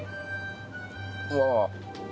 うわ。